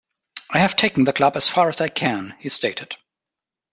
"I have taken the club as far as I can," he stated.